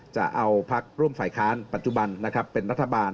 จะเอาพักร่วมฝ่ายค้านปัจจุบันนะครับเป็นรัฐบาล